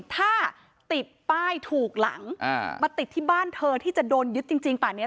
ถ้าติดป้ายถูกหลังมาติดที่บ้านเธอที่จะโดนยึดจริงป่านี้